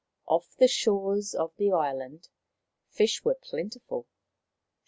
Off the shores of the island fish were plentiful.